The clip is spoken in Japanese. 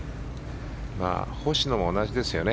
星野も同じですよね。